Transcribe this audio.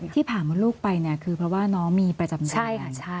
ที่ถามลูกไปคือเพราะว่าน้องมีประจำการ